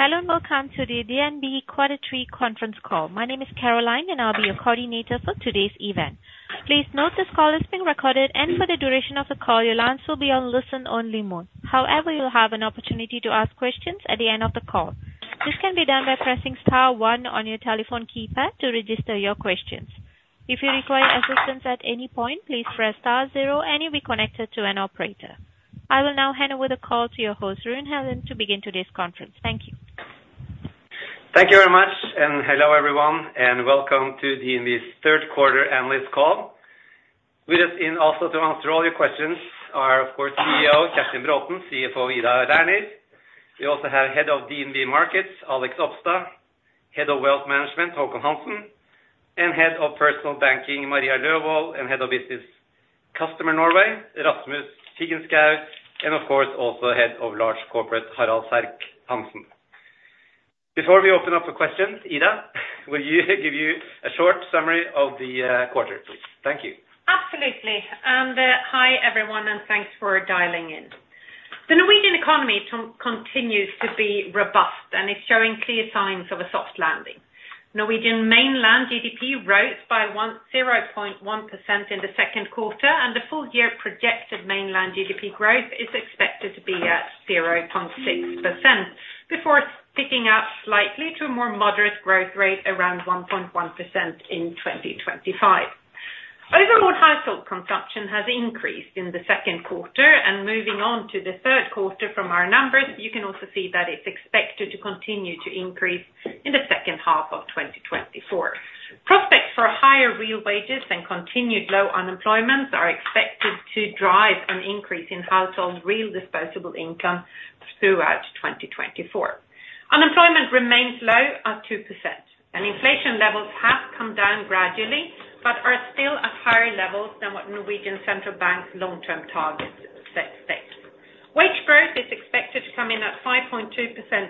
Hello and welcome to the DNB quarterly conference call. My name is Caroline, and I'll be your coordinator for today's event. Please note this call is being recorded, and for the duration of the call, your lines will be on listen-only mode. However, you'll have an opportunity to ask questions at the end of the call. This can be done by pressing star one on your telephone keypad to register your questions. If you require assistance at any point, please press star zero, and you'll be connected to an operator. I will now hand over the call to your host, Rune Helland, to begin today's conference. Thank you. Thank you very much, and hello everyone, and welcome to DNB's third quarter analyst call. With us today also to answer all your questions are, of course, CEO Kjerstin Braathen, CFO Ida Lerner. We also have Head of DNB Markets, Alex Opstad, Head of Wealth Management, Håkon Hansen, and Head of Personal Banking, Maria Løvold, and Head of Business Banking Norway, Rasmus Figenschou, and of course also Head of Large Corporates, Harald Serck-Hanssen. Before we open up for questions, Ida, will you give us a short summary of the quarter, please? Thank you. Absolutely. And hi everyone, and thanks for dialing in. The Norwegian economy continues to be robust, and it's showing clear signs of a soft landing. Norwegian mainland GDP rose by 0.1% in the second quarter, and the full year projected mainland GDP growth is expected to be at 0.6%, before picking up slightly to a more moderate growth rate around 1.1% in 2025. Overall household consumption has increased in the second quarter, and moving on to the third quarter from our numbers, you can also see that it's expected to continue to increase in the second half of 2024. Prospects for higher real wages and continued low unemployment are expected to drive an increase in household real disposable income throughout 2024. Unemployment remains low at 2%, and inflation levels have come down gradually but are still at higher levels than what Norwegian central bank's long-term targets suggest. Wage growth is expected to come in at 5.2%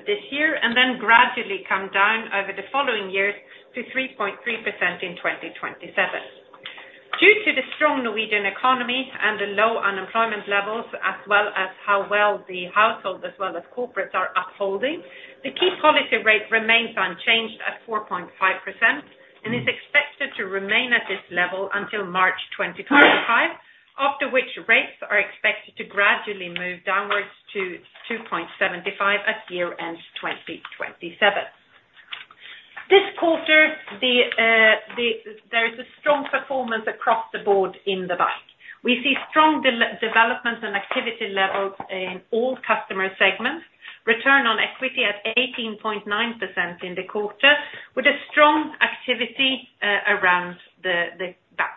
this year and then gradually come down over the following years to 3.3% in 2027. Due to the strong Norwegian economy and the low unemployment levels, as well as how well the household as well as corporates are upholding, the key policy rate remains unchanged at 4.5% and is expected to remain at this level until March 2025, after which rates are expected to gradually move downwards to 2.75% at year-end 2027. This quarter, there is a strong performance across the board in the bank. We see strong development and activity levels in all customer segments, return on equity at 18.9% in the quarter, with a strong activity around the bank.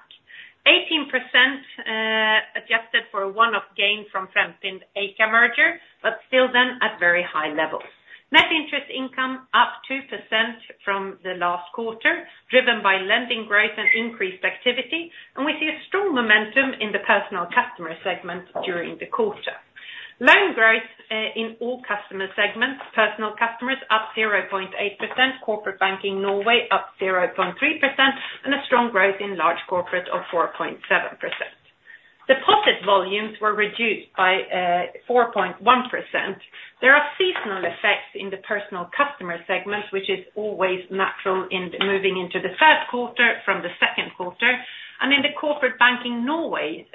18% adjusted for a one-off gain from Fremtind Eika merger, but still then at very high levels. Net interest income up 2% from the last quarter, driven by lending growth and increased activity, and we see a strong momentum in the personal customer segment during the quarter. Loan growth in all customer segments, personal customers up 0.8%, corporate banking Norway up 0.3%, and a strong growth in large corporates of 4.7%. Deposit volumes were reduced by 4.1%. There are seasonal effects in the personal customer segment, which is always natural in moving into the third quarter from the second quarter, and in the corporate banking Norway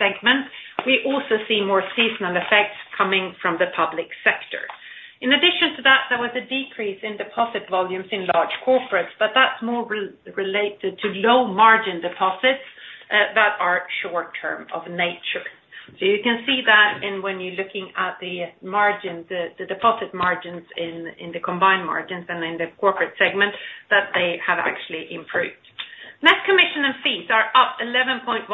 segment, we also see more seasonal effects coming from the public sector. In addition to that, there was a decrease in deposit volumes in large corporates, but that's more related to low margin deposits that are short-term of nature. You can see that when you're looking at the margins, the deposit margins in the combined margins and in the corporate segment, that they have actually improved. Net commission and fees are up 11.1%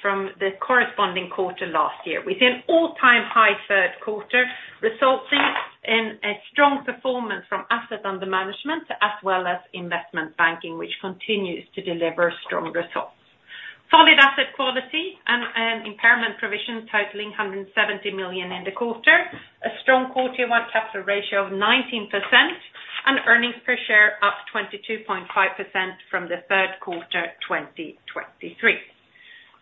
from the corresponding quarter last year, within all-time high third quarter, resulting in a strong performance from asset under management as well as investment banking, which continues to deliver strong results. Solid asset quality and impairment provision totaling 170 million in the quarter, a strong CET1 capital ratio of 19%, and earnings per share up 22.5% from the third quarter 2023.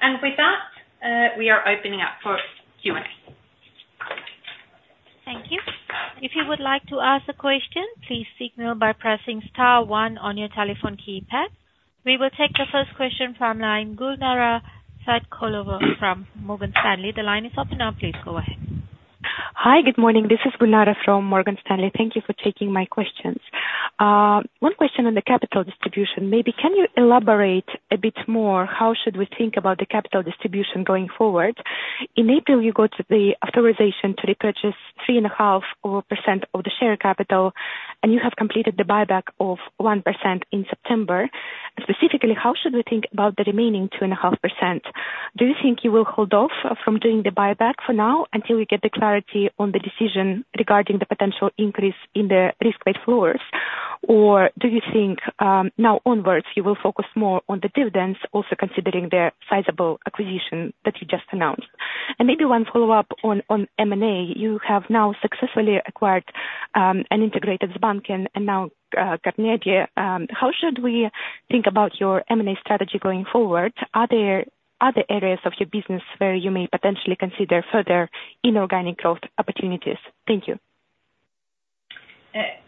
And with that, we are opening up for Q&A. Thank you. If you would like to ask a question, please signal by pressing star one on your telephone keypad. We will take the first question from line Gulnara Saitkulova from Morgan Stanley. The line is up now. Please go ahead. Hi, good morning. This is Gulnara from Morgan Stanley. Thank you for taking my questions. One question on the capital distribution. Maybe can you elaborate a bit more? How should we think about the capital distribution going forward? In April, you got the authorization to repurchase 3.5% of the share capital, and you have completed the buyback of 1% in September. Specifically, how should we think about the remaining 2.5%? Do you think you will hold off from doing the buyback for now until we get the clarity on the decision regarding the potential increase in the risk-weight floors, or do you think now onwards you will focus more on the dividends, also considering the sizable acquisition that you just announced? And maybe one follow-up on M&A. You have now successfully acquired an integrated bank, namely Carnegie. How should we think about your M&A strategy going forward? Are there other areas of your business where you may potentially consider further inorganic growth opportunities? Thank you.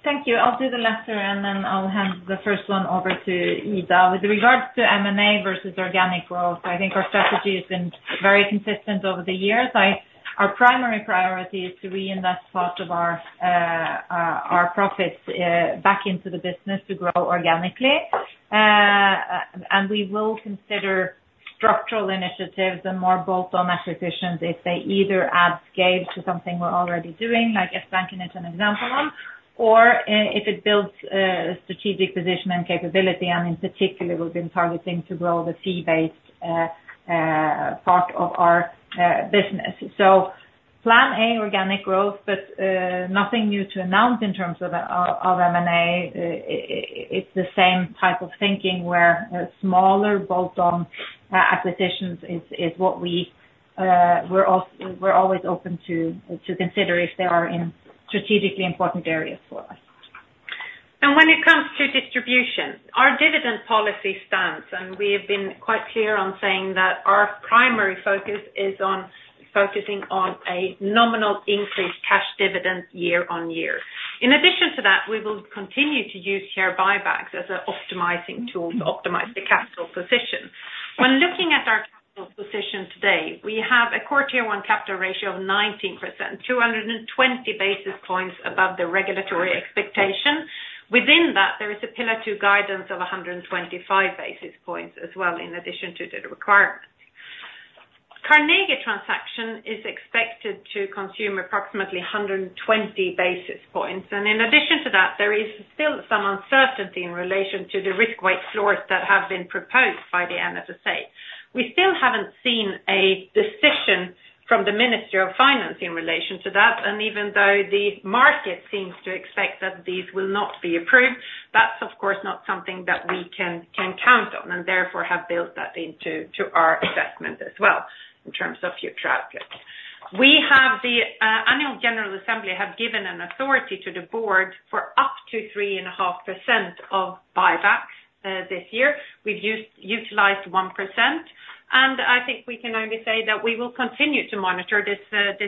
Thank you. I'll do the latter, and then I'll hand the first one over to Ida. With regards to M&A versus organic growth, I think our strategy has been very consistent over the years. Our primary priority is to reinvest part of our profits back into the business to grow organically, and we will consider structural initiatives and more bolt-on acquisitions if they either add scale to something we're already doing, like Sbanken is an example one, or if it builds a strategic position and capability, and in particular, we've been targeting to grow the fee-based part of our business. So plan A, organic growth, but nothing new to announce in terms of M&A. It's the same type of thinking where smaller bolt-on acquisitions is what we're always open to consider if they are in strategically important areas for us. When it comes to distribution, our dividend policy stands, and we have been quite clear on saying that our primary focus is on focusing on a nominal increase cash dividend year on year. In addition to that, we will continue to use share buybacks as an optimizing tool to optimize the capital position. When looking at our capital position today, we have a CET1 capital ratio of 19%, 220 basis points above the regulatory expectation. Within that, there is a Pillar 2 guidance of 125 basis points as well, in addition to the requirements. The Carnegie transaction is expected to consume approximately 120 basis points, and in addition to that, there is still some uncertainty in relation to the risk-weight floors that have been proposed by the NFSA. We still haven't seen a decision from the Ministry of Finance in relation to that, and even though the market seems to expect that these will not be approved, that's of course not something that we can count on and therefore have built that into our assessment as well in terms of future outlook. We have the annual general assembly have given an authority to the board for up to 3.5% of buybacks this year. We've utilized 1%, and I think we can only say that we will continue to monitor this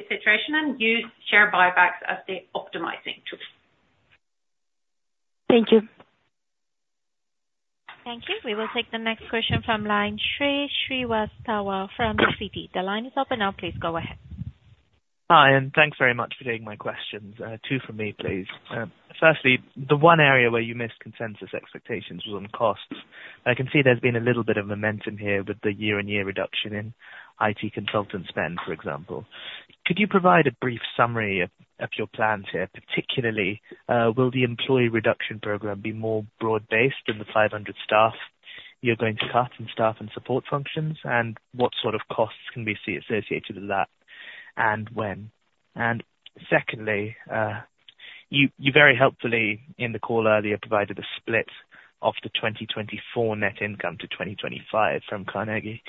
situation and use share buybacks as the optimizing tool. Thank you. Thank you. We will take the next question from Shrey Srivastava from Citi. The line is open now, please go ahead. Hi, and thanks very much for taking my questions. Two for me, please. Firstly, the one area where you missed consensus expectations was on costs. I can see there's been a little bit of momentum here with the year-on-year reduction in IT consultant spend, for example. Could you provide a brief summary of your plans here? Particularly, will the employee reduction program be more broad-based than the 500 staff you're going to cut in staff and support functions, and what sort of costs can we see associated with that and when? And secondly, you very helpfully in the call earlier provided a split of the 2024 net income to 2025 from Carnegie.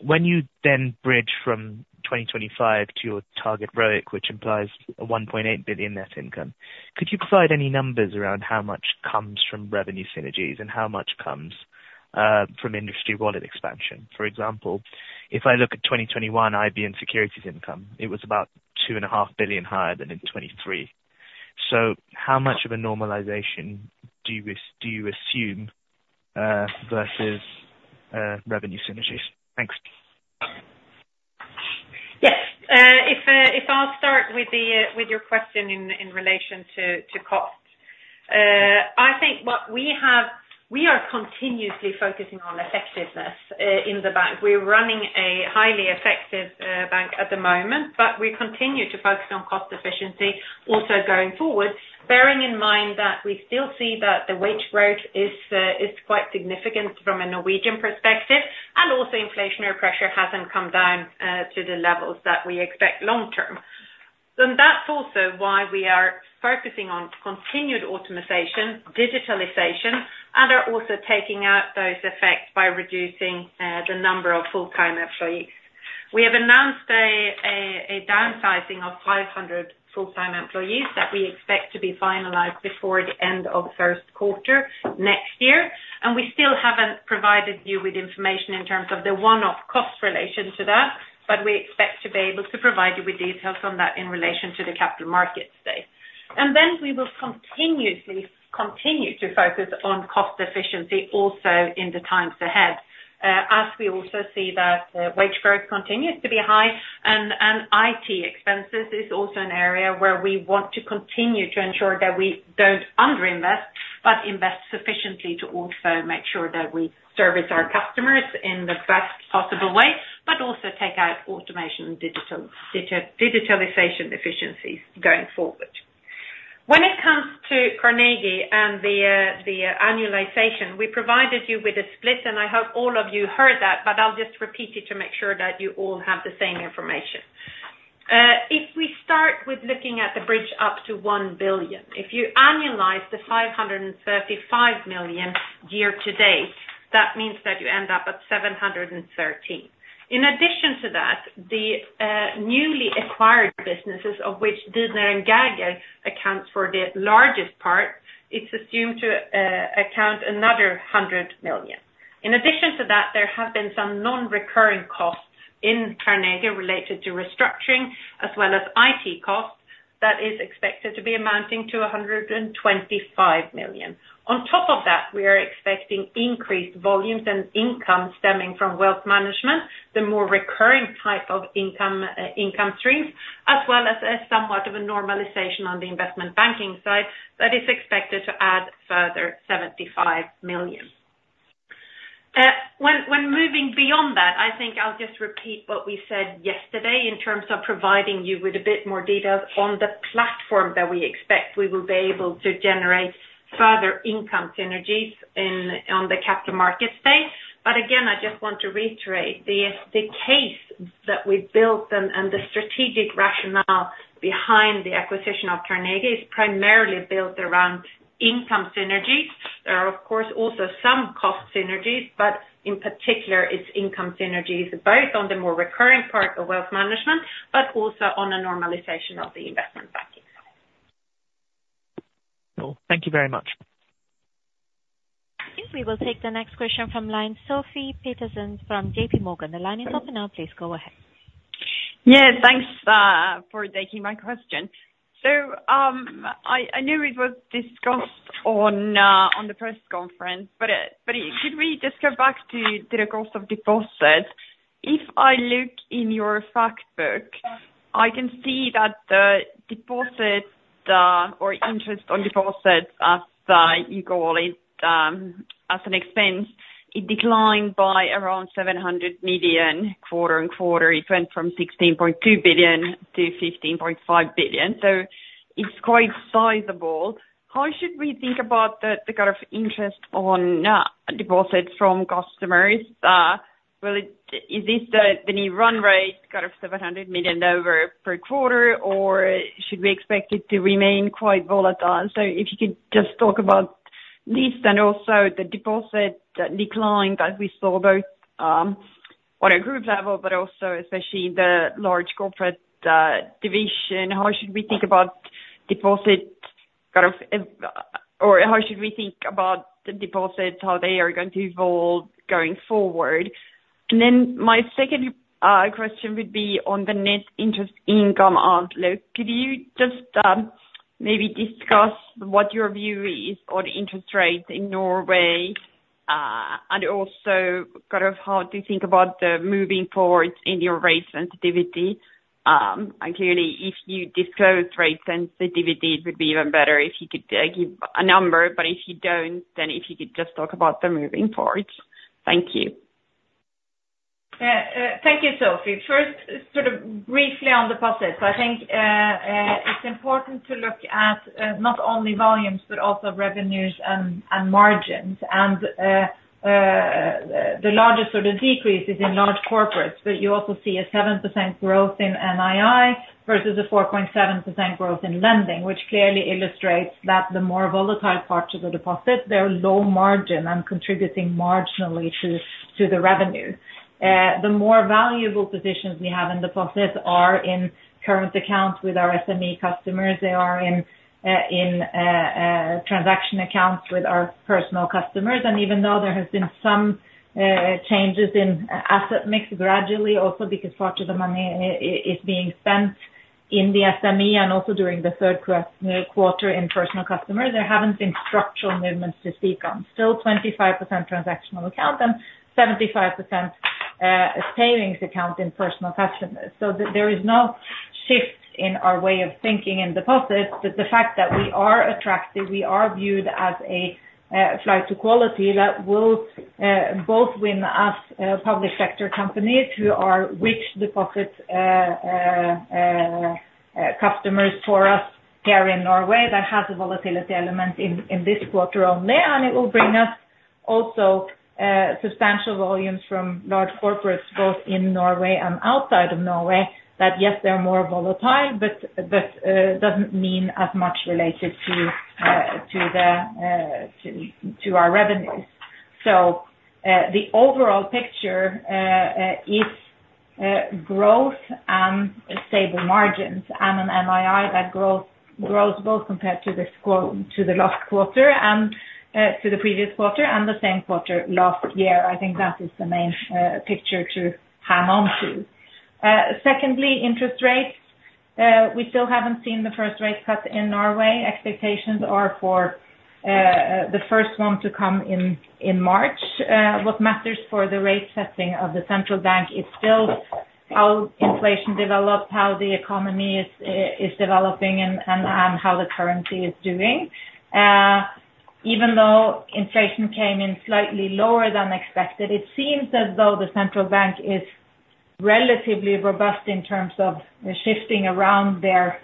When you then bridge from 2025 to your target ROIC, which implies a 1.8 billion net income, could you provide any numbers around how much comes from revenue synergies and how much comes from industry wallet expansion? For example, if I look at 2021 IB securities income, it was about 2.5 billion higher than in 2023. So how much of a normalization do you assume versus revenue synergies? Thanks. Yes, I'll start with your question in relation to cost. I think what we have, we are continuously focusing on effectiveness in the bank. We're running a highly effective bank at the moment, but we continue to focus on cost efficiency also going forward, bearing in mind that we still see that the wage growth is quite significant from a Norwegian perspective, and also inflationary pressure hasn't come down to the levels that we expect long-term, and that's also why we are focusing on continued automation, digitalization, and are also taking out those effects by reducing the number of full-time employees. We have announced a downsizing of 500 full-time employees that we expect to be finalized before the end of first quarter next year, and we still haven't provided you with information in terms of the one-off cost relation to that, but we expect to be able to provide you with details on that in relation to the Capital Markets Day, and then we will continuously continue to focus on cost efficiency also in the times ahead as we also see that wage growth continues to be high, and IT expenses is also an area where we want to continue to ensure that we don't underinvest, but invest sufficiently to also make sure that we service our customers in the best possible way, but also take out automation and digitalization efficiencies going forward. When it comes to Carnegie and the annualization, we provided you with a split, and I hope all of you heard that, but I'll just repeat it to make sure that you all have the same information. If we start with looking at the bridge up to 1 billion, if you annualize the 535 million year-to-date, that means that you end up at 713 million. In addition to that, the newly acquired businesses, of which Didner & Gerge accounts for the largest part, it's assumed to account another 100 million. In addition to that, there have been some non-recurring costs in Carnegie related to restructuring as well as IT costs that is expected to be amounting to 125 million. On top of that, we are expecting increased volumes and income stemming from wealth management, the more recurring type of income streams, as well as somewhat of a normalization on the investment banking side that is expected to add further 75 million. When moving beyond that, I think I'll just repeat what we said yesterday in terms of providing you with a bit more details on the platform that we expect we will be able to generate further income synergies on the Capital Markets Day. But again, I just want to reiterate the case that we built and the strategic rationale behind the acquisition of Carnegie is primarily built around income synergies. There are, of course, also some cost synergies, but in particular, it's income synergies both on the more recurring part of wealth management, but also on a normalization of the investment banking side. Thank you very much. We will take the next question from line Sofie Peterzens from JPMorgan. The line is up and now please go ahead. Yes, thanks for taking my question. So I knew it was discussed on the press conference, but could we just go back to the cost of deposits? If I look in your factbook, I can see that the deposit or interest on deposits as you call it as an expense, it declined by around 700 million quarter-on-quarter. It went from 16.2 billion to 15.5 billion. So it's quite sizable. How should we think about the kind of interest on deposits from customers? Is this the new run rate, kind of 700 million over per quarter, or should we expect it to remain quite volatile? So if you could just talk about this and also the deposit decline that we saw both on a group level, but also especially in the large corporate division, how should we think about deposit kind of, or how should we think about the deposits, how they are going to evolve going forward? And then my second question would be on the net interest income outlook. Could you just maybe discuss what your view is on interest rates in Norway, and also kind of how to think about the moving forwards in your rate sensitivity? And clearly, if you disclose rate sensitivity, it would be even better if you could give a number, but if you don't, then if you could just talk about the moving forwards. Thank you. Thank you, Sofie. First, sort of briefly on deposits. I think it's important to look at not only volumes, but also revenues and margins. And the largest sort of decrease is in large corporates, but you also see a 7% growth in NII versus a 4.7% growth in lending, which clearly illustrates that the more volatile parts of the deposit, they're low margin and contributing marginally to the revenue. The more valuable positions we have in deposits are in current accounts with our SME customers. They are in transaction accounts with our personal customers. And even though there have been some changes in asset mix gradually, also because part of the money is being spent in the SME and also during the third quarter in personal customers, there haven't been structural movements to speak on. Still 25% transactional account and 75% savings account in personal customers. So there is no shift in our way of thinking in deposits, but the fact that we are attractive, we are viewed as a flight to quality that will both win us public sector companies who are rich deposit customers for us here in Norway that has a volatility element in this quarter only, and it will bring us also substantial volumes from large corporates both in Norway and outside of Norway that, yes, they're more volatile, but doesn't mean as much related to our revenues. So the overall picture is growth and stable margins and an NII that grows both compared to the last quarter and to the previous quarter and the same quarter last year. I think that is the main picture to hang on to. Secondly, interest rates. We still haven't seen the first rate cut in Norway. Expectations are for the first one to come in March. What matters for the rate setting of the central bank is still how inflation develops, how the economy is developing, and how the currency is doing. Even though inflation came in slightly lower than expected, it seems as though the central bank is relatively robust in terms of shifting around their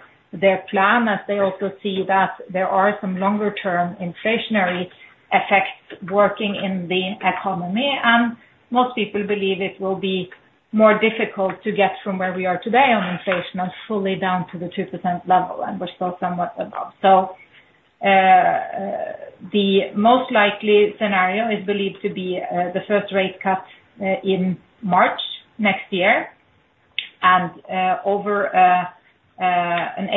plan as they also see that there are some longer-term inflationary effects working in the economy, and most people believe it will be more difficult to get from where we are today on inflation and fully down to the 2% level, and we're still somewhat above. So the most likely scenario is believed to be the first rate cut in March next year, and over an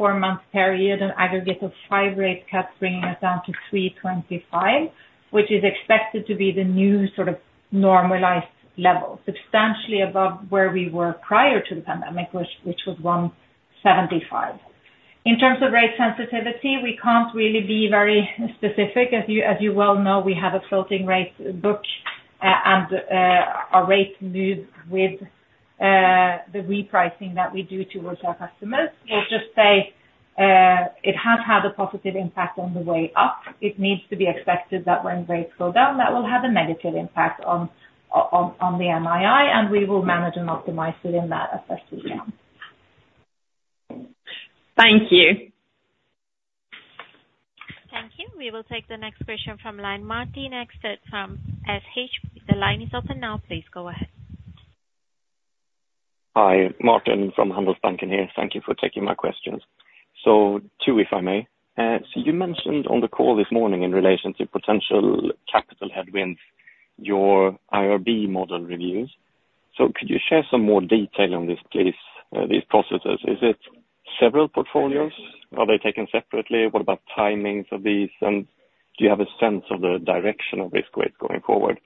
18-24 month period, an aggregate of five rate cuts bringing us down to 325, which is expected to be the new sort of normalized level, substantially above where we were prior to the pandemic, which was 175. In terms of rate sensitivity, we can't really be very specific. As you well know, we have a floating rate book, and our rate moves with the repricing that we do towards our customers. We'll just say it has had a positive impact on the way up. It needs to be expected that when rates go down, that will have a negative impact on the NII, and we will manage and optimize it in that as best we can. Thank you. Thank you. We will take the next question from line Martin Björnberg from SH. The line is open now. Please go ahead. Hi, Martin from Handelsbanken here. Thank you for taking my questions. So two, if I may. So you mentioned on the call this morning in relation to potential capital headwinds, your IRB model reviews. So could you share some more detail on this, please, these processes? Is it several portfolios? Are they taken separately? What about timings of these? And do you have a sense of the direction of risk rates going forward?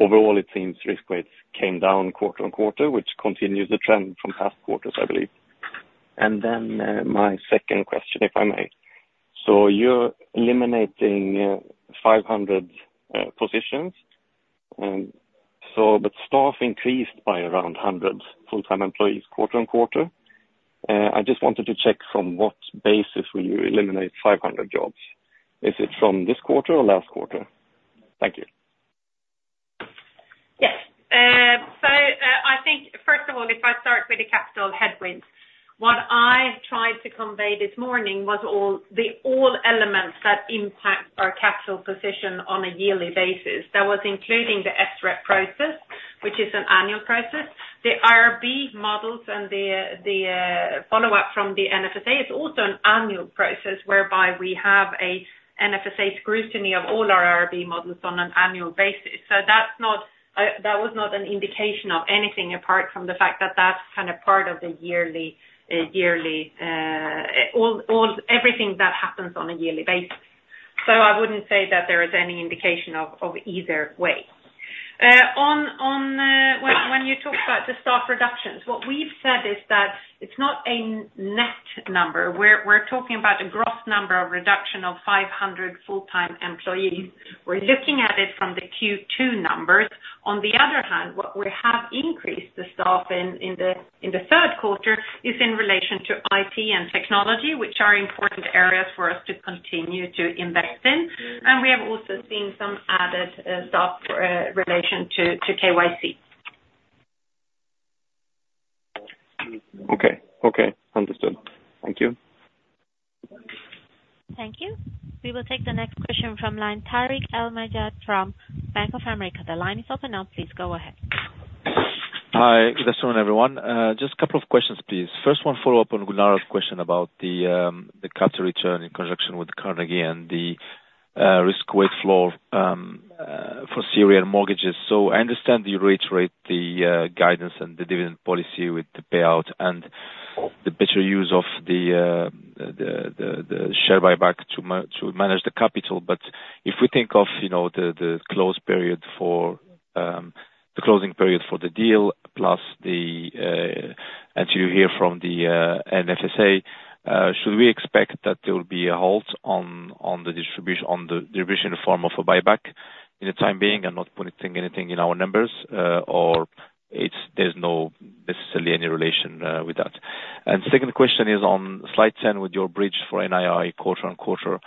Overall, it seems risk rates came down quarter-on-quarter, which continues the trend from past quarters, I believe. And then my second question, if I may. So you're eliminating 500 positions, but staff increased by around 100 full-time employees quarter-on-quarter. I just wanted to check from what basis will you eliminate 500 jobs? Is it from this quarter or last quarter? Thank you. Yes. So I think, first of all, if I start with the capital headwinds, what I tried to convey this morning was all the elements that impact our capital position on a yearly basis. That was including the SREP process, which is an annual process. The IRB models and the follow-up from the NFSA is also an annual process whereby we have an NFSA scrutiny of all our IRB models on an annual basis. So that was not an indication of anything apart from the fact that that's kind of part of the yearly, everything that happens on a yearly basis. So I wouldn't say that there is any indication of either way. When you talk about the staff reductions, what we've said is that it's not a net number. We're talking about a gross number of reduction of 500 full-time employees. We're looking at it from the Q2 numbers. On the other hand, what we have increased the staff in the third quarter is in relation to IT and technology, which are important areas for us to continue to invest in, and we have also seen some added staff in relation to KYC. Okay. Okay. Understood. Thank you. Thank you. We will take the next question from line Tarik El Mejjad from Bank of America. The line is open now. Please go ahead. Hi. Good afternoon, everyone. Just a couple of questions, please. First one, follow-up on Gulnara question about the capital return in conjunction with Carnegie and the risk-weight floor for securitized mortgages. So I understand you reiterate the guidance and the dividend policy with the payout and the better use of the share buyback to manage the capital. But if we think of the closing period for the deal, plus until you hear from the NFSA, should we expect that there will be a halt on the distribution in the form of a buyback in the time being and not putting anything in our numbers, or there's no necessarily any relation with that? And second question is on slide 10 with your bridge for NII quarter-on-quarter.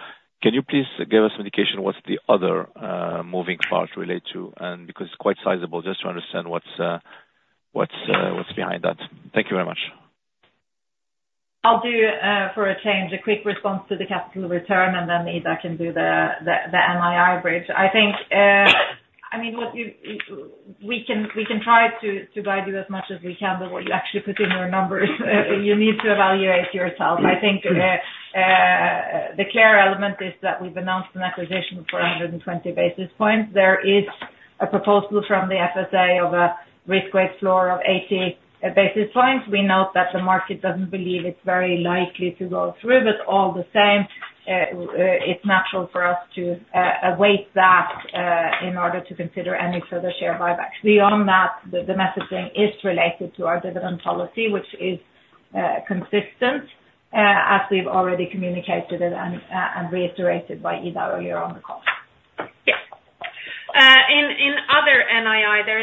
Can you please give us an indication what's the other moving part relate to and because it's quite sizable, just to understand what's behind that. Thank you very much. I'll do, for a change, a quick response to the capital return, and then Ida can do the NII bridge. I mean, we can try to guide you as much as we can, but what you actually put in your numbers, you need to evaluate yourself. I think the clear element is that we've announced an acquisition for 120 basis points. There is a proposal from the NFSA of a risk weight floor of 80 basis points. We note that the market doesn't believe it's very likely to go through, but all the same, it's natural for us to await that in order to consider any further share buybacks. Beyond that, the messaging is related to our dividend policy, which is consistent, as we've already communicated and reiterated by Ida earlier on the call. Yes. In other NII, there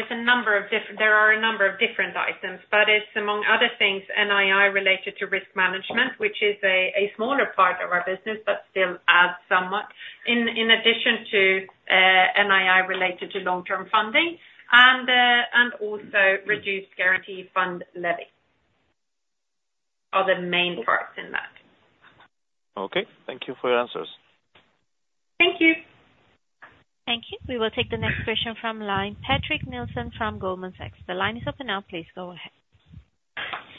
are a number of different items, but it's, among other things, NII related to risk management, which is a smaller part of our business, but still adds somewhat, in addition to NII related to long-term funding, and also reduced guarantee fund levy are the main parts in that. Okay. Thank you for your answers. Thank you. Thank you. We will take the next question from line Patrick Nielsen from Goldman Sachs. The line is open now. Please go ahead.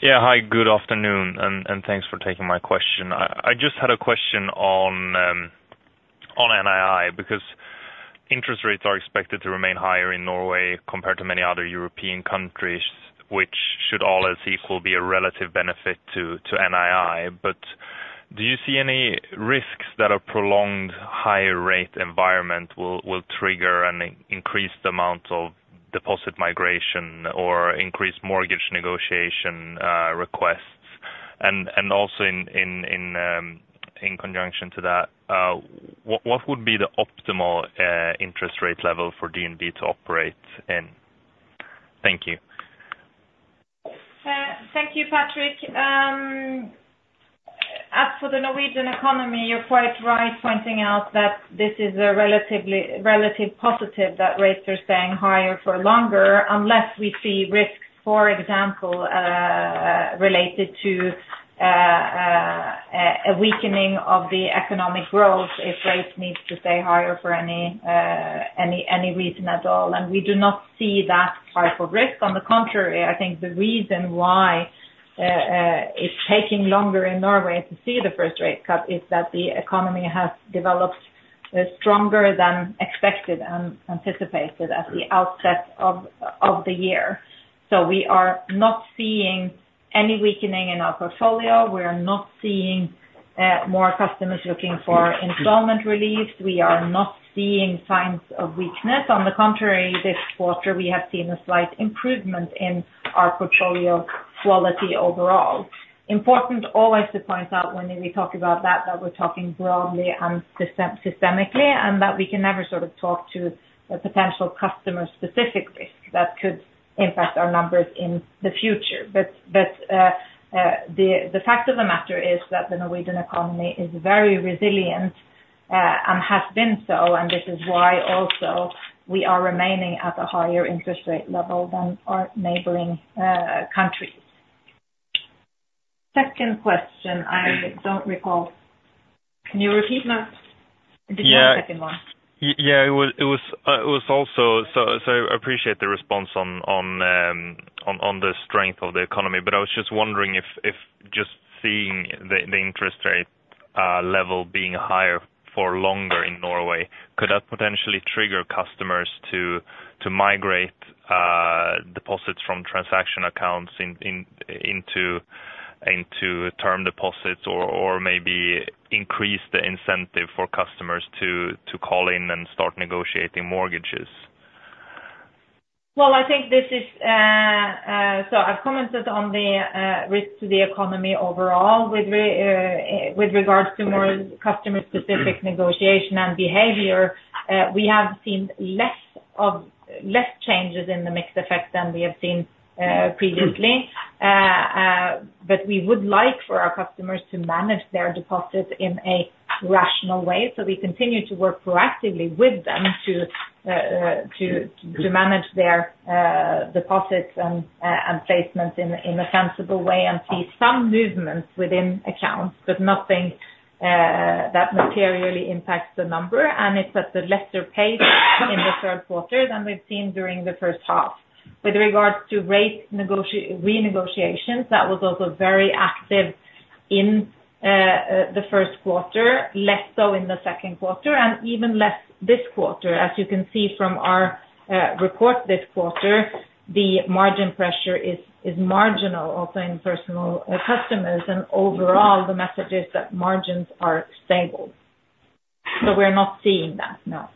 Yeah. Hi. Good afternoon, and thanks for taking my question. I just had a question on NII because interest rates are expected to remain higher in Norway compared to many other European countries, which should all else equal be a relative benefit to NII. But do you see any risks that a prolonged higher rate environment will trigger an increased amount of deposit migration or increased mortgage negotiation requests? And also in conjunction to that, what would be the optimal interest rate level for DNB to operate in? Thank you. Thank you, Patrick. As for the Norwegian economy, you're quite right pointing out that this is a relative positive that rates are staying higher for longer unless we see risks, for example, related to a weakening of the economic growth if rates need to stay higher for any reason at all, and we do not see that type of risk. On the contrary, I think the reason why it's taking longer in Norway to see the first rate cut is that the economy has developed stronger than expected and anticipated at the outset of the year, so we are not seeing any weakening in our portfolio. We are not seeing more customers looking for installment relief. We are not seeing signs of weakness. On the contrary, this quarter, we have seen a slight improvement in our portfolio quality overall. Important always to point out when we talk about that, that we're talking broadly and systemically, and that we can never sort of talk to a potential customer-specific risk that could impact our numbers in the future. But the fact of the matter is that the Norwegian economy is very resilient and has been so, and this is why also we are remaining at a higher interest rate level than our neighboring countries. Second question. I don't recall. Can you repeat that? This is the second one. Yeah. It was also, so I appreciate the response on the strength of the economy, but I was just wondering if just seeing the interest rate level being higher for longer in Norway, could that potentially trigger customers to migrate deposits from transaction accounts into term deposits or maybe increase the incentive for customers to call in and start negotiating mortgages? I think this, so I've commented on the risk to the economy overall. With regards to more customer-specific negotiation and behavior, we have seen less changes in the mixed effect than we have seen previously. But we would like for our customers to manage their deposits in a rational way. So we continue to work proactively with them to manage their deposits and placements in a sensible way and see some movements within accounts, but nothing that materially impacts the number. And it's at a lesser pace in the third quarter than we've seen during the first half. With regards to rate renegotiations, that was also very active in the first quarter, less so in the second quarter, and even less this quarter. As you can see from our report this quarter, the margin pressure is marginal also in personal customers. And overall, the message is that margins are stable. So we're not seeing that, no.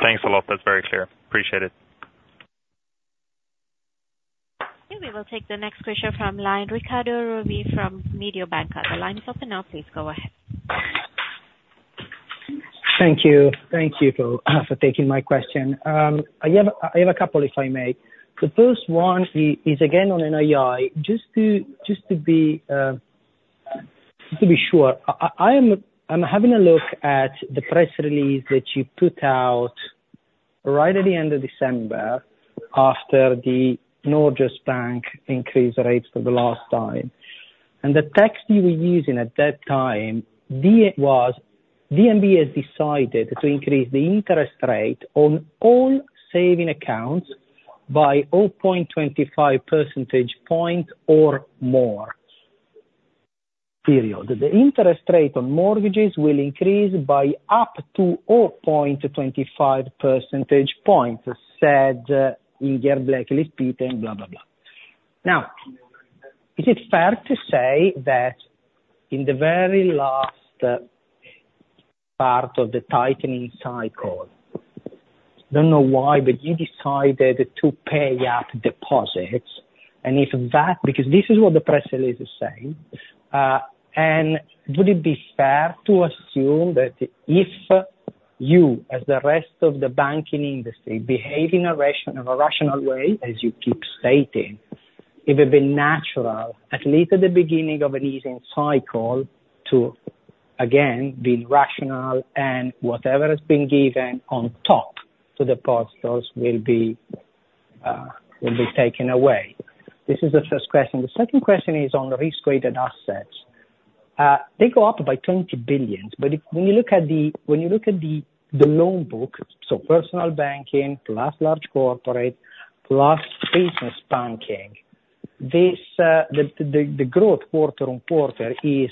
Thanks a lot. That's very clear. Appreciate it. Okay. We will take the next question from line Riccardo Rovere from Mediobanca. The line is open now. Please go ahead. Thank you. Thank you for taking my question. I have a couple, if I may. The first one is again on NII. Just to be sure, I'm having a look at the press release that you put out right at the end of December after the Norges Bank increased rates for the last time, and the text you were using at that time, it was, "DNB has decided to increase the interest rate on all savings accounts by 0.25 percentage points or more. The interest rate on mortgages will increase by up to 0.25 percentage points," said Ingjerd Blekeli Spiten, blah, blah, blah. Now, is it fair to say that in the very last part of the tightening cycle, I don't know why, but you decided to pay up deposits? And if that, because this is what the press release is saying, and would it be fair to assume that if you, as the rest of the banking industry, behave in a rational way, as you keep stating, it would have been natural, at least at the beginning of an easing cycle, to again be rational and whatever has been given on top to depositors will be taken away? This is the first question. The second question is on risk-weighted assets. They go up by 20 billion NOK. But when you look at the loan book, so personal banking plus large corporate plus business banking, the growth quarter-on-quarter is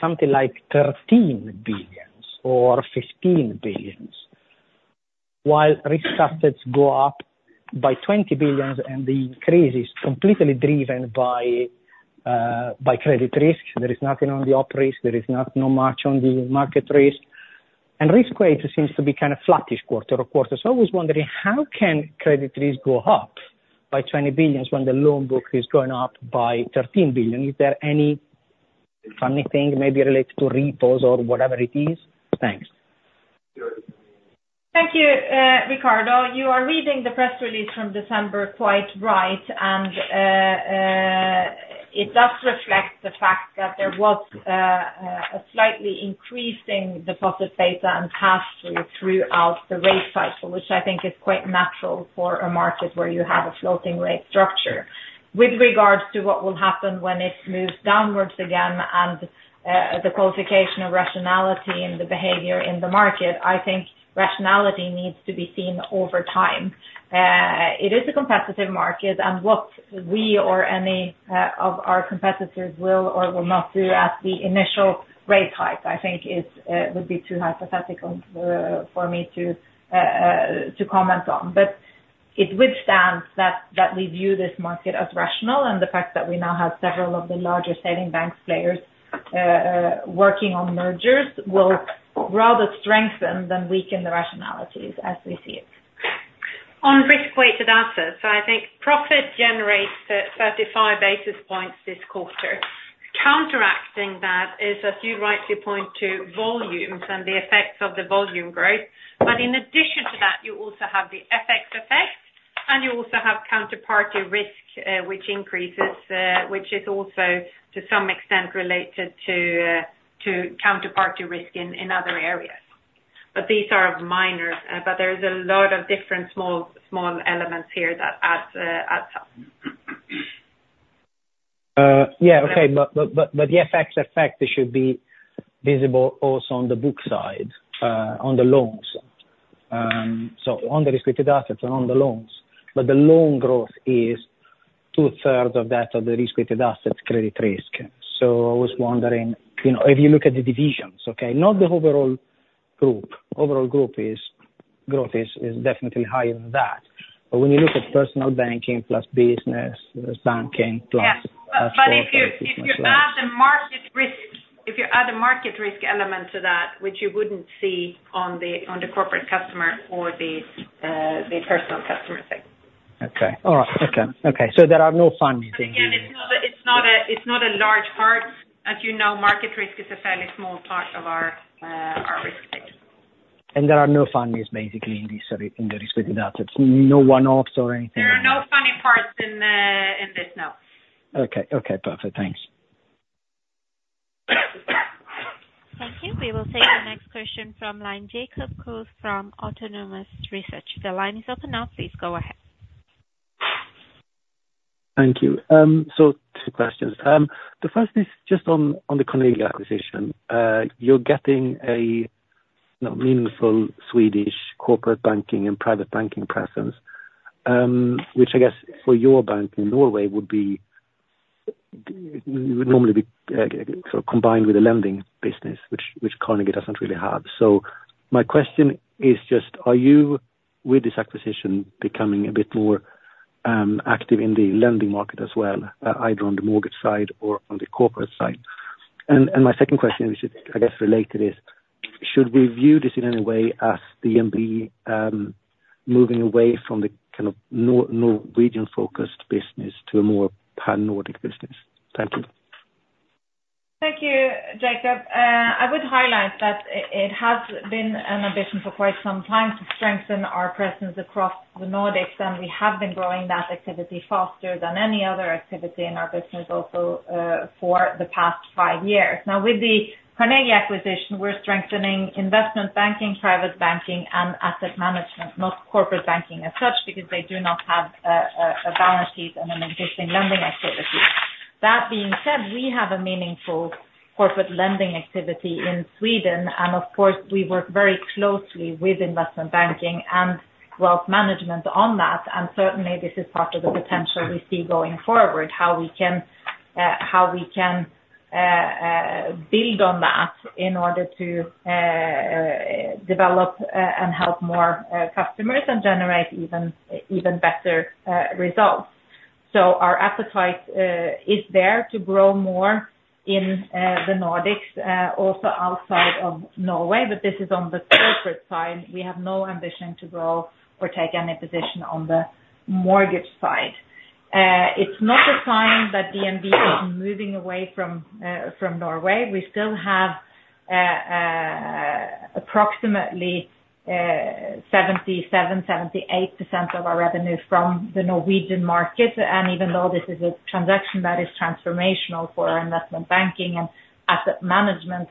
something like 13 billion NOK or 15 billion NOK, while risk assets go up by 20 billion NOK, and the increase is completely driven by credit risk. There is nothing on the up risk. There is not much on the market risk. Risk weight seems to be kind of flattish quarter-on-quarter. So I was wondering, how can credit risk go up by 20 billion when the loan book is going up by 13 billion? Is there any funny thing, maybe related to repos or whatever it is? Thanks. Thank you, Riccardo. You are reading the press release from December quite right, and it does reflect the fact that there was a slightly increasing deposit beta and pass-through throughout the rate cycle, which I think is quite natural for a market where you have a floating rate structure. With regards to what will happen when it moves downwards again and the qualification of rationality and the behavior in the market, I think rationality needs to be seen over time. It is a competitive market, and what we or any of our competitors will or will not do at the initial rate hike, I think, would be too hypothetical for me to comment on. But it withstands that we view this market as rational, and the fact that we now have several of the larger savings banks players working on mergers will rather strengthen than weaken the rationality as we see it. On risk-weighted assets, I think profit generates at 35 basis points this quarter. Counteracting that is, as you rightly point to, volumes and the effects of the volume growth. But in addition to that, you also have the FX effect, and you also have counterparty risk, which increases, which is also to some extent related to counterparty risk in other areas. But these are minor, but there is a lot of different small elements here that adds up. Yeah. Okay. But the FX effect should be visible also on the book side, on the loans. So on the risk-weighted assets and on the loans. But the loan growth is two-thirds of that of the risk-weighted assets credit risk. So I was wondering, if you look at the divisions, okay, not the overall group, overall group growth is definitely higher than that. But when you look at personal banking plus business banking plus personal banking. Yeah. But if you add the market risk, if you add the market risk element to that, which you wouldn't see on the corporate customer or the personal customer thing. Okay. All right. So there are no funny things. Again, it's not a large part. As you know, market risk is a fairly small part of our risk thing. There are no funnies, basically, in the risk-weighted assets. No one-offs or anything? There are no funny parts in this, no. Okay. Okay. Perfect. Thanks. Thank you. We will take the next question from line Jacob Kruse from Autonomous Research. The line is open now. Please go ahead. Thank you, so two questions. The first is just on the Carnegie acquisition. You're getting a meaningful Swedish corporate banking and private banking presence, which I guess for your bank in Norway would normally be combined with a lending business, which Carnegie doesn't really have, so my question is just, are you with this acquisition becoming a bit more active in the lending market as well, either on the mortgage side or on the corporate side, and my second question, which is, I guess, related, is should we view this in any way as DNB moving away from the kind of Norwegian-focused business to a more Pan-Nordic business? Thank you. Thank you, Jacob. I would highlight that it has been an ambition for quite some time to strengthen our presence across the Nordics, and we have been growing that activity faster than any other activity in our business also for the past five years. Now, with the Carnegie acquisition, we're strengthening investment banking, private banking, and asset management, not corporate banking as such, because they do not have a balance sheet and an existing lending activity. That being said, we have a meaningful corporate lending activity in Sweden, and of course, we work very closely with investment banking and wealth management on that. And certainly, this is part of the potential we see going forward, how we can build on that in order to develop and help more customers and generate even better results. So our appetite is there to grow more in the Nordics, also outside of Norway, but this is on the corporate side. We have no ambition to grow or take any position on the mortgage side. It's not a sign that DNB is moving away from Norway. We still have approximately 77%-78% of our revenue from the Norwegian market. And even though this is a transaction that is transformational for investment banking and asset management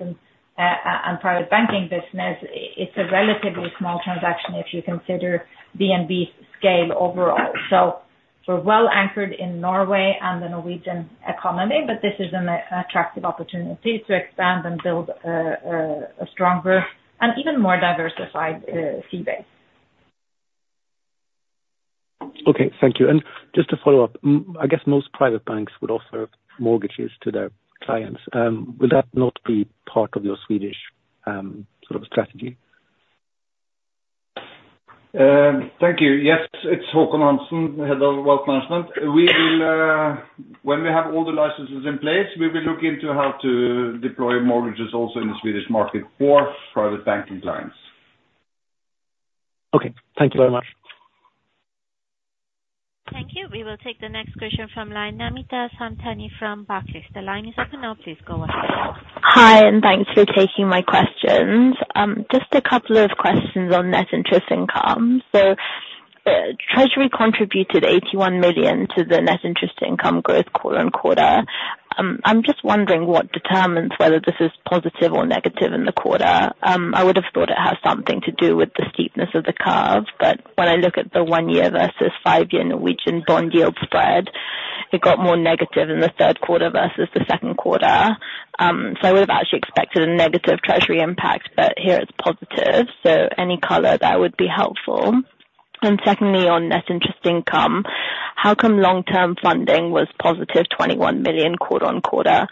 and private banking business, it's a relatively small transaction if you consider DNB's scale overall. So we're well anchored in Norway and the Norwegian economy, but this is an attractive opportunity to expand and build a stronger and even more diversified DNB. Okay. Thank you. And just to follow up, I guess most private banks would offer mortgages to their clients. Will that not be part of your Swedish sort of strategy? Thank you. Yes. It's Håkon Hansen, Head of Wealth Management. When we have all the licenses in place, we will look into how to deploy mortgages also in the Swedish market for private banking clients. Okay. Thank you very much. Thank you. We will take the next question from Namita Samtani from Barclays. The line is open now. Please go ahead. Hi, and thanks for taking my questions. Just a couple of questions on net interest income. So Treasury contributed 81 million to the net interest income growth quarter-on-quarter. I'm just wondering what determines whether this is positive or negative in the quarter. I would have thought it had something to do with the steepness of the curve, but when I look at the one-year versus five-year Norwegian bond yield spread, it got more negative in the third quarter versus the second quarter. So I would have actually expected a negative Treasury impact, but here it's positive. So any color there would be helpful. And secondly, on net interest income, how come long-term funding was positive, 21 million quarter-on-quarter?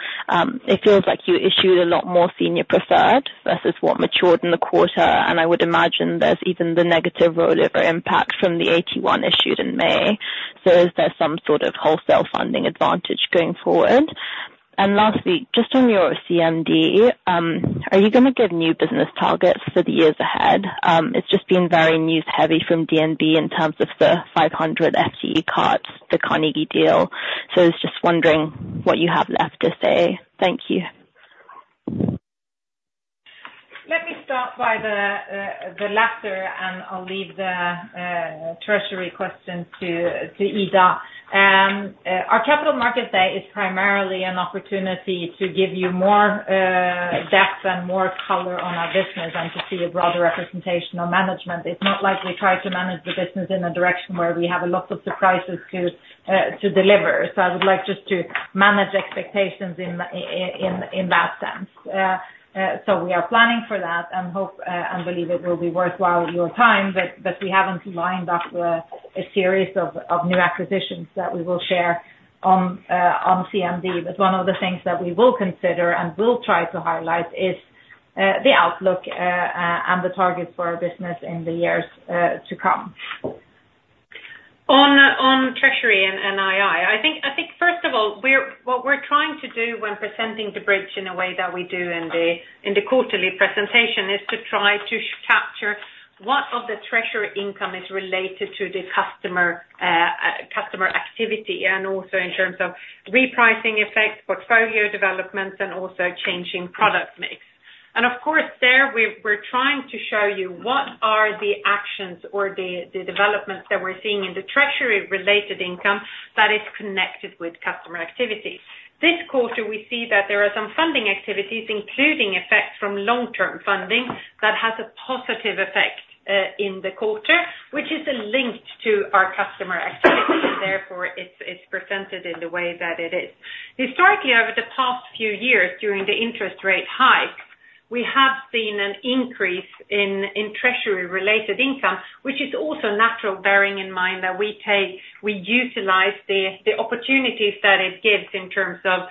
It feels like you issued a lot more senior preferred versus what matured in the quarter, and I would imagine there's even the negative rollover impact from the 81 issued in May. So is there some sort of wholesale funding advantage going forward? And lastly, just on your CMD, are you going to give new business targets for the years ahead? It's just been very news-heavy from DNB in terms of the 500 FTE cuts, the Carnegie deal. So I was just wondering what you have left to say. Thank you. Let me start by the latter, and I'll leave the Treasury question to Ida. Our Capital Markets Day is primarily an opportunity to give you more depth and more color on our business and to see a broader representation of management. It's not like we try to manage the business in a direction where we have a lot of surprises to deliver. So I would like just to manage expectations in that sense. So we are planning for that and believe it will be worthwhile your time, but we haven't lined up a series of new acquisitions that we will share on CMD. But one of the things that we will consider and will try to highlight is the outlook and the targets for our business in the years to come. On Treasury and NII, I think, first of all, what we're trying to do when presenting the bridge in a way that we do in the quarterly presentation is to try to capture what of the Treasury income is related to the customer activity and also in terms of repricing effects, portfolio developments, and also changing product mix, and of course, there we're trying to show you what are the actions or the developments that we're seeing in the Treasury-related income that is connected with customer activity. This quarter, we see that there are some funding activities, including effects from long-term funding, that have a positive effect in the quarter, which is linked to our customer activity. Therefore, it's presented in the way that it is. Historically, over the past few years, during the interest rate hike, we have seen an increase in Treasury-related income, which is also natural bearing in mind that we utilize the opportunities that it gives in terms of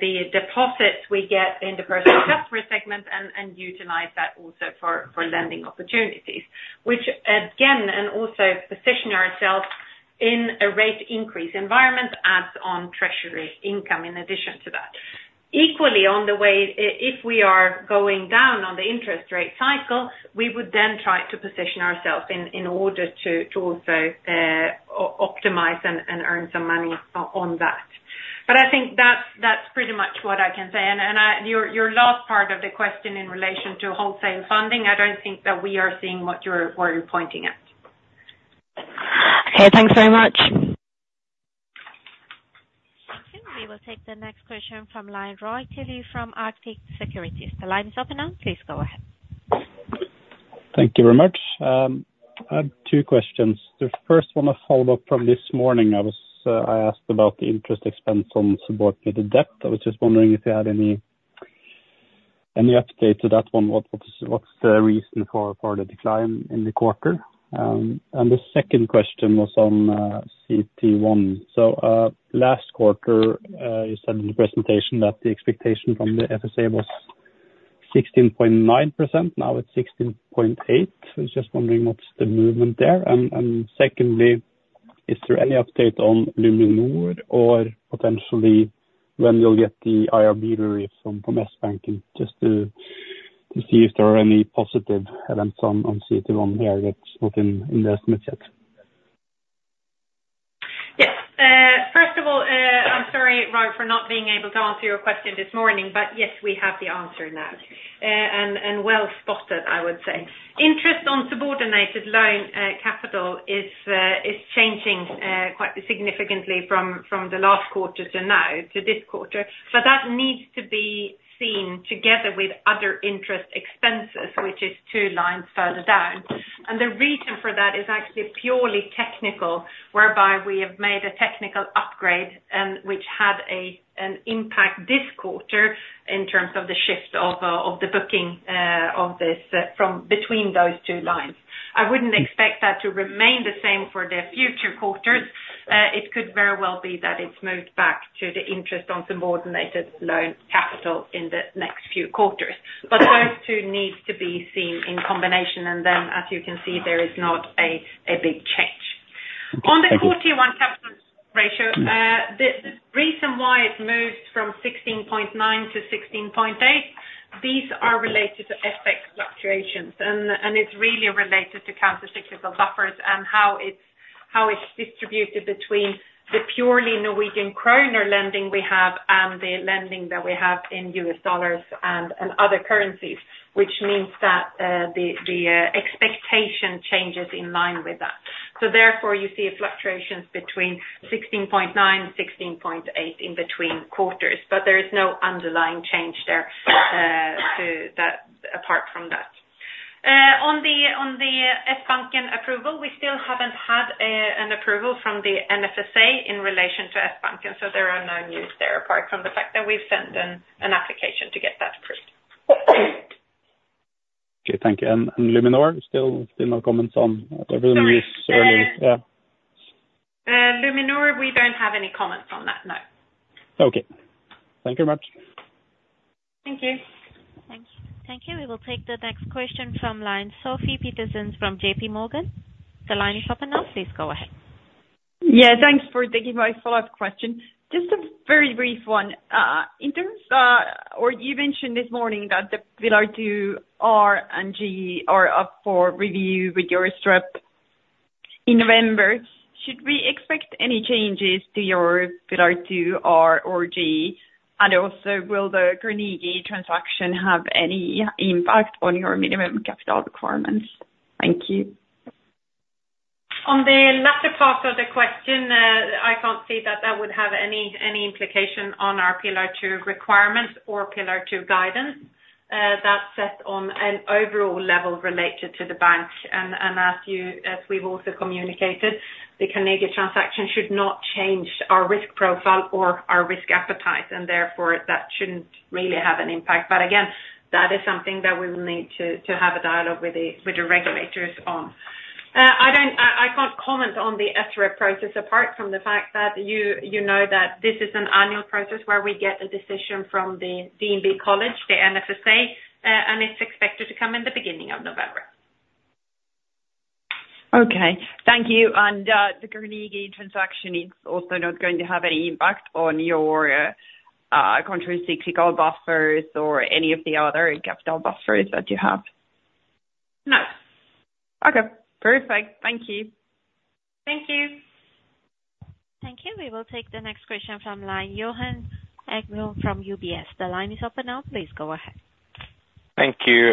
the deposits we get in the personal customer segment and utilize that also for lending opportunities, which again, and also position ourselves in a rate increase environment, adds on Treasury income in addition to that. Equally, on the way, if we are going down on the interest rate cycle, we would then try to position ourselves in order to also optimize and earn some money on that. But I think that's pretty much what I can say. And your last part of the question in relation to wholesale funding, I don't think that we are seeing what you were pointing at. Okay. Thanks very much. Thank you. We will take the next question from Roy Tilley from Arctic Securities. The line is open now. Please go ahead. Thank you very much. I have two questions. The first one, a follow-up from this morning. I asked about the interest expense on subordinated debt. I was just wondering if you had any update to that one. What's the reason for the decline in the quarter? And the second question was on CET1. So last quarter, you said in the presentation that the expectation from the FSA was 16.9%. Now it's 16.8%. I was just wondering what's the movement there. And secondly, is there any update on Luminor or potentially when you'll get the IRB relief from Sbanken just to see if there are any positive events on CET1 here that's not in the estimates yet? Yes. First of all, I'm sorry, Roy, for not being able to answer your question this morning, but yes, we have the answer now, and well spotted, I would say. Interest on subordinated loan capital is changing quite significantly from the last quarter to now to this quarter, but that needs to be seen together with other interest expenses, which is two lines further down, and the reason for that is actually purely technical, whereby we have made a technical upgrade, which had an impact this quarter in terms of the shift of the booking of this from between those two lines. I wouldn't expect that to remain the same for the future quarters. It could very well be that it's moved back to the interest on subordinated loan capital in the next few quarters, but those two need to be seen in combination. And then, as you can see, there is not a big change. On the CET1 capital ratio, the reason why it moved from 16.9% to 16.8%, these are related to FX fluctuations. And it's really related to countercyclical buffers and how it's distributed between the purely Norwegian kroner lending we have and the lending that we have in US dollars and other currencies, which means that the expectation changes in line with that. So therefore, you see fluctuations between 16.9%, 16.8% in between quarters. But there is no underlying change there apart from that. On the Sbanken approval, we still haven't had an approval from the NFSA in relation to Sbanken. So there are no news there apart from the fact that we've sent an application to get that approved. Okay. Thank you and Luminor, still no comments on the news earlier? Luminor, we don't have any comments on that, no. Okay. Thank you very much. Thank you. Thank you. Thank you. We will take the next question from line Sofie Peterzens from JPMorgan. The line is open now. Please go ahead. Yeah. Thanks for taking my follow-up question. Just a very brief one. In terms of, or you mentioned this morning that the Pillar 2 R and G are up for review with your SREP in November. Should we expect any changes to your Pillar 2 R or G? And also, will the Carnegie transaction have any impact on your minimum capital requirements? Thank you. On the latter part of the question, I can't see that that would have any implication on our Pillar 2 requirements or Pillar 2 guidance. That's set on an overall level related to the bank. And as we've also communicated, the Carnegie transaction should not change our risk profile or our risk appetite. And therefore, that shouldn't really have an impact. But again, that is something that we will need to have a dialogue with the regulators on. I can't comment on the SREP process apart from the fact that you know that this is an annual process where we get a decision from the DNB College, the NFSA, and it's expected to come in the beginning of November. Okay. Thank you, and the Carnegie transaction is also not going to have any impact on your countercyclical buffers or any of the other capital buffers that you have? No. Okay. Perfect. Thank you. Thank you. Thank you. We will take the next question from line Johan Ekblom from UBS. The line is open now. Please go ahead. Thank you.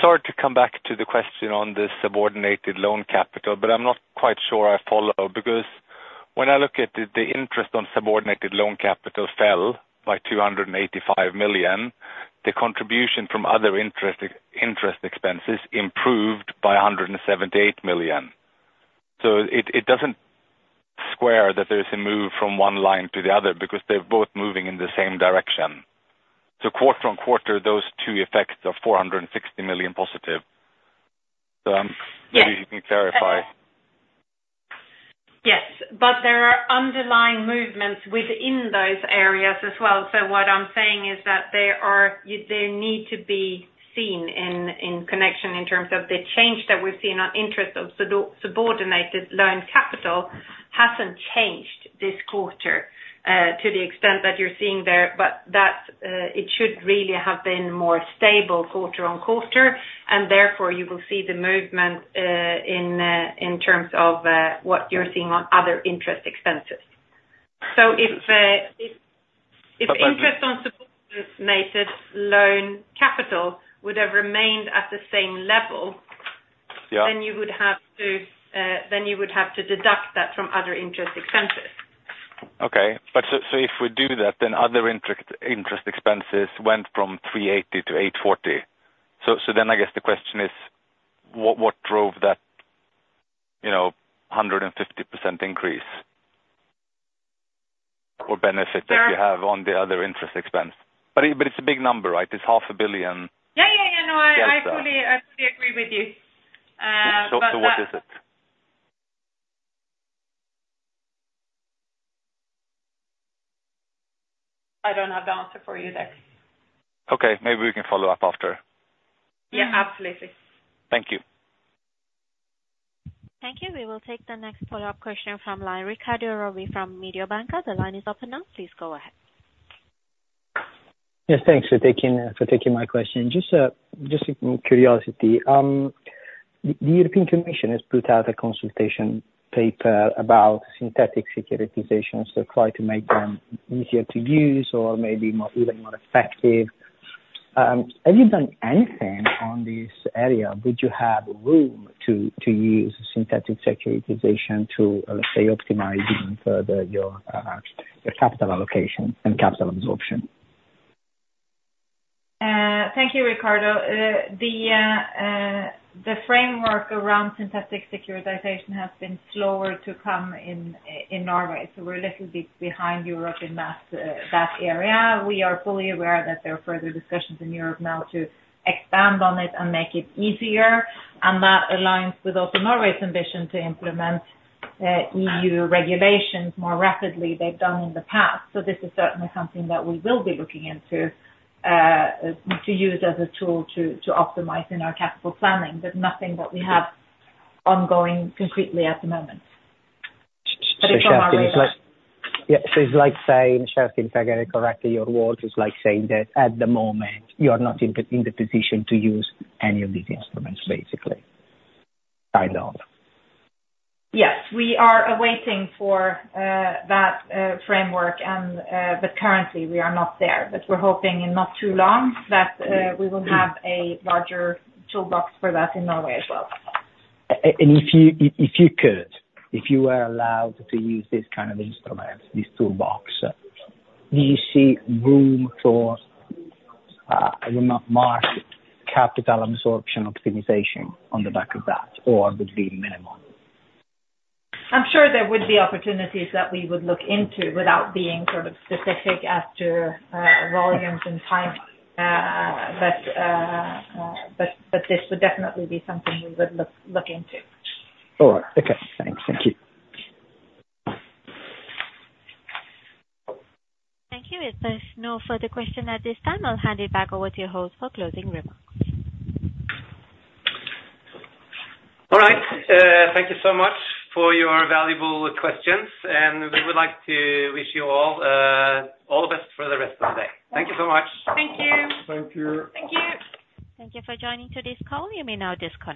Sorry to come back to the question on the subordinated loan capital, but I'm not quite sure I follow because when I look at the interest on subordinated loan capital fell by 285 million, the contribution from other interest expenses improved by 178 million. So it doesn't square that there is a move from one line to the other because they're both moving in the same direction. So quarter-on-quarter, those two effects are 460 million positive. So maybe you can clarify. Yes, but there are underlying movements within those areas as well, so what I'm saying is that there need to be seen in connection in terms of the change that we've seen on interest on Subordinated loan capital hasn't changed this quarter to the extent that you're seeing there, but it should really have been more stable quarter-on-quarter, and therefore, you will see the movement in terms of what you're seeing on other interest expenses. So if interest on Subordinated loan capital would have remained at the same level, then you would have to then you would have to deduct that from other interest expenses. Okay. But so if we do that, then other interest expenses went from 380 to 840. So then I guess the question is, what drove that 150% increase or benefit that you have on the other interest expense? But it's a big number, right? It's 500 million. Yeah, yeah, yeah. No, I fully agree with you. What is it? I don't have the answer for you there. Okay. Maybe we can follow up after. Yeah, absolutely. Thank you. Thank you. We will take the next follow-up question from line Riccardo Rovere from Mediobanca. The line is open now. Please go ahead. Yes, thanks for taking my question. Just curiosity, the European Commission has put out a consultation paper about synthetic securitization to try to make them easier to use or maybe even more effective. Have you done anything on this area? Would you have room to use synthetic securitization to, let's say, optimize even further your capital allocation and capital absorption? Thank you, Riccardo. The framework around synthetic securitization has been slower to come in Norway. So we're a little bit behind Europe in that area. We are fully aware that there are further discussions in Europe now to expand on it and make it easier. And that aligns with also Norway's ambition to implement EU regulations more rapidly than they've done in the past. So this is certainly something that we will be looking into to use as a tool to optimize in our capital planning, but nothing that we have ongoing concretely at the moment. But it's on our radar. Yeah. So it's like saying, Kjerstin, correctly your words is like saying that at the moment, you are not in the position to use any of these instruments, basically, kind of. Yes. We are awaiting for that framework. But currently, we are not there. But we're hoping in not too long that we will have a larger toolbox for that in Norway as well. If you could, if you were allowed to use this kind of instrument, this toolbox, do you see room for, I don't know, market capital absorption optimization on the back of that, or would it be minimal? I'm sure there would be opportunities that we would look into without being sort of specific as to volumes and time. But this would definitely be something we would look into. All right. Okay. Thanks. Thank you. Thank you. If there's no further question at this time, I'll hand it back over to your host for closing remarks. All right. Thank you so much for your valuable questions, and we would like to wish you all the best for the rest of the day. Thank you so much. Thank you. Thank you. Thank you. Thank you for joining today's call. You may now disconnect.